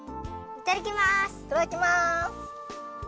いただきます！